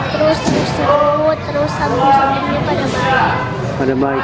terus berusut terus habis habis dan dia pada baik